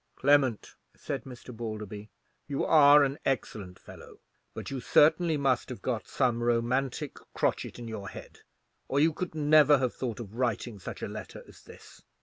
'" "Clement," said Mr. Balderby, "you are an excellent fellow; but you certainly must have got some romantic crotchet in your head, or you could never have thought of writing such a letter as this.